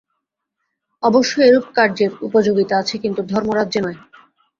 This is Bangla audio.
অবশ্য এরূপ কার্যের উপযোগিতা আছে, কিন্তু ধর্মরাজ্যে নয়।